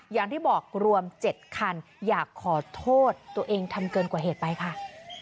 อย่างที่บอกรวม๗คันอยากขอโทษตัวเองทำเกินกว่าเหตุไปค่ะ